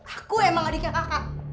aku emang adiknya kakak